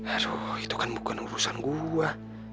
aduh itu kan bukan urusan gue